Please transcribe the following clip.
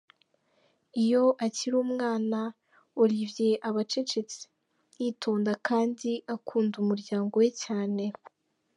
Iyo akiri umwana, Olivier aba acecetse, yitonda kandi akunda umuryango we cyane.